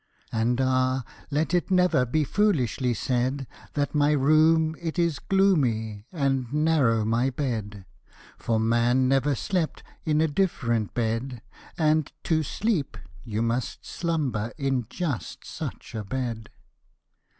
And ah! let it never Be foolishly said That my room it is gloomy And narrow my bed; For man never slept In a different bed And, to sleep, you must slumber In just such a bed.